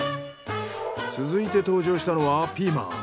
続いて登場したのはピーマン。